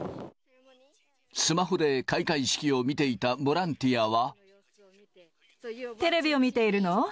スマホで開会式を見ていたボランテレビを見ているの？